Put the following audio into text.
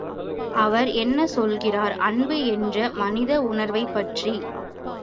அவர் என்ன சொல்கிறார் அன்பு என்ற மனித உணர்வைப் பற்றி!